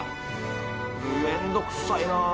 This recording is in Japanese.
めんどくさいなぁ。